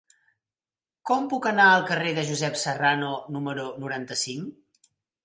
Com puc anar al carrer de Josep Serrano número noranta-cinc?